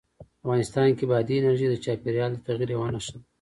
افغانستان کې بادي انرژي د چاپېریال د تغیر یوه نښه ده.